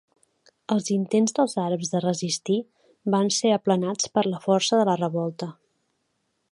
Els intents dels àrabs de resistir van ser aplanats per la força de la revolta.